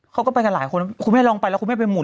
เขาก็ไปกับหลายคนคุณแม่ลองไปแล้วคุณแม่ไปหุ